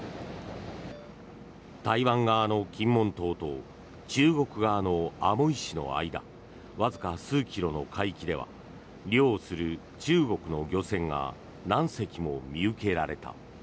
台湾側の金門島と中国側のアモイ市の間わずか数キロの海域では漁をする中国の漁船が何隻も見受けられた。